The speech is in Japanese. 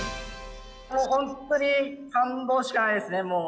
もう本当に感動しかないですねもう。